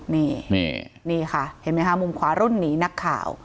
นี่นี่ค่ะเห็นไหมคะมุมขวารุ่นหนีนักข่าว